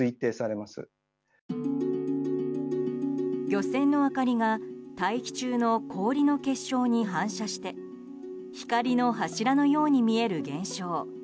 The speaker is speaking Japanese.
漁船の明かりが大気中の氷の結晶に反射して光の柱のように見える現象